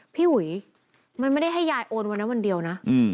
พี่อุ๋ยมันไม่ได้ให้ยายโอนวันนั้นวันเดียวนะ